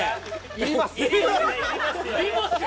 いります。